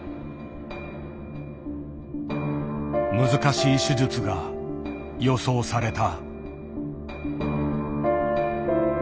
難しい手術が予想された。